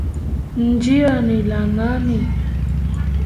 Njiwa ni la nani.